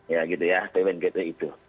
ya gitu ya payment gateway itu